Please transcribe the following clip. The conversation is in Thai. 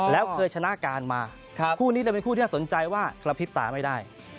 แล้วเคยชนะการมาคู่นี้จะเป็นคู่ที่น่าสนใจว่ากระพริบตาไม่ได้